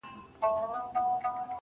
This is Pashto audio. وي لكه ستوري هره شــپـه را روان.